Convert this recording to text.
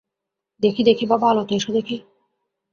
দেখি দেখি বাবা, আলোতে এসো দেখি।